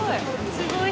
すごい。